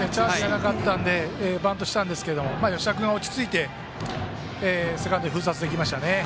なのでバントしたんですが吉田君が落ち着いてセカンドに封殺できましたね。